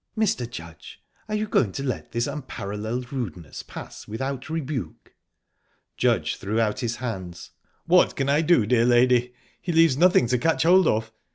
"Mr. Judge, are you going to let this unparalleled rudeness pass without rebuke?" Judge threw out his hands. "What can I do, dear lady? He leaves nothing to catch hold of.